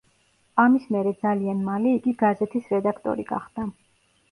ამის მერე ძალიან მალე იგი გაზეთის რედაქტორი გახდა.